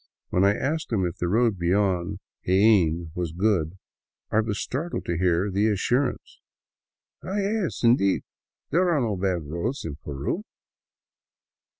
When I asked him if the road beyond Jaen was good, I was startled to hear the assurance :" Ah, yes, indeed. There are no bad roads in Peru